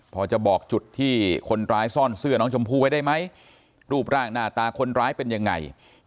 พอจะบอกจุดที่คนร้ายซ่อนเสื้อน้องชมพู่ไว้ได้ไหมรูปร่างหน้าตาคนร้ายเป็นยังไง